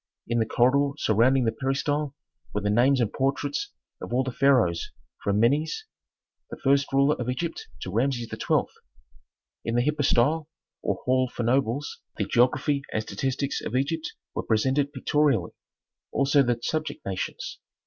In the corridor surrounding the peristyle were the names and portraits of all the pharaohs from Menes the first ruler of Egypt to Rameses XII. In the hypostyle, or hall for nobles, the geography and statistics of Egypt were presented pictorially, also the subject nations.